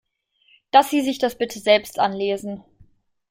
Dass Sie sich das bitte selbst anlesen.